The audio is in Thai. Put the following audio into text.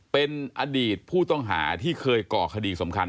เป็นอดีตผู้ต้องหาที่เคยก่อคดีสำคัญ